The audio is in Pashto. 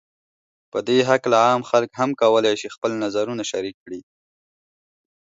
په دې هکله عام خلک هم کولای شي خپل نظرونو شریک کړي